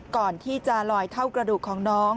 ก่อนที่จะลอยเท่ากระดูกของน้อง